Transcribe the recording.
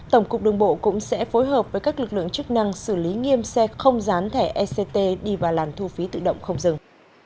tổng cục đường bộ cũng sẽ phối hợp với các lực lượng chức năng xử lý nghiêm xe không dán thẻ ect đi vào làn thu phí tự động không dừng